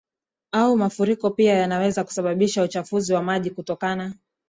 au mafuriko pia yanaweza kusababisha uchafuzi wa maji kutokana